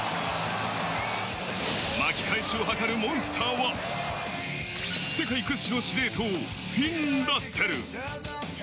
巻き返しを図るモンスターは、世界屈指の司令塔、フィン・ラッセル。